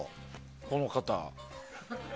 この方。